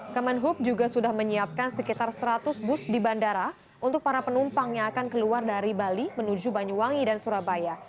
kemenhub juga sudah menyiapkan sekitar seratus bus di bandara untuk para penumpang yang akan keluar dari bali menuju banyuwangi dan surabaya